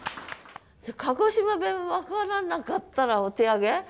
鹿児島弁分からなかったらお手上げ？